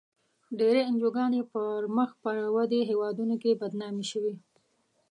ډېری انجوګانې په مخ پر ودې هېوادونو کې بدنامې شوې.